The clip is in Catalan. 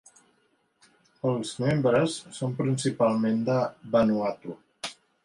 Els membres són principalment de Vanuatu.